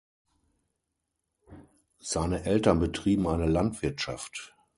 Seine Eltern betrieben eine Landwirtschaft.